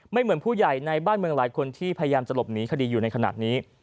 เหมือนผู้ใหญ่ในบ้านเมืองหลายคนที่พยายามจะหลบหนีคดีอยู่ในขณะนี้